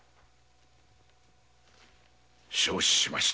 承知しました。